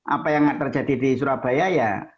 apa yang terjadi di surabaya ya